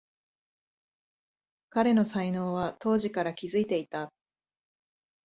彼の才能は当時から気づいていた